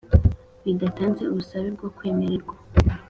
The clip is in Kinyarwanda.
bidatanze ubusabe bwo kwemererwa